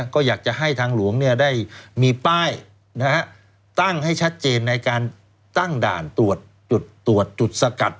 ก็อยากจะให้ทางหลวงได้มีป้ายตั้งให้ชัดเจนในการตั้งด่านตรวจจุดตรวจจุดสกัด